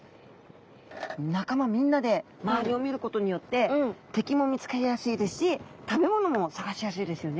仲間みんなで周りを見ることによって敵も見つかりやすいですし食べ物も探しやすいですよね。